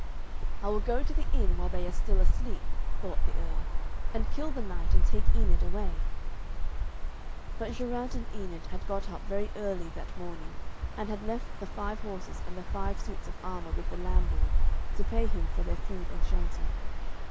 'I will go to the inn while they are still asleep,' thought the Earl, 'and kill the knight and take Enid away.' But Geraint and Enid had got up very early that morning, and had left the five horses and the five suits of armour with the landlord, to pay him for their food and shelter.